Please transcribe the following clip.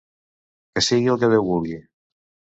Que sigui el que Déu vulgui.